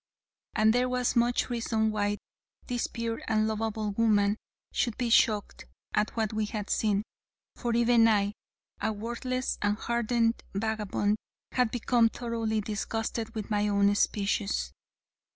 And there was much reason why this pure and lovable woman should be shocked at what we had seen, for even I, a worthless and hardened vagabond, had become thoroughly disgusted with my own species.